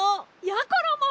やころも！